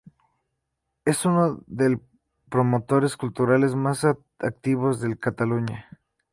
Es uno del promotores culturales más activos de Cataluña.